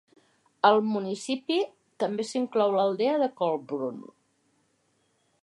Al municipi, també s'inclou l'aldea de Kollbrunn.